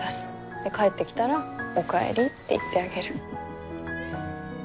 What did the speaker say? で帰ってきたらおかえりって言ってあげる。